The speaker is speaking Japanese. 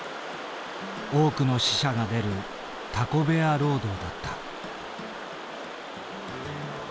多くの死者が出るタコ部屋労働だった。